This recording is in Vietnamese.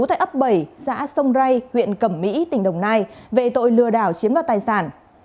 tại ấp bảy xã sông ray huyện cẩm mỹ tỉnh đồng nai về tội lừa đảo chiếm đoạt tài sản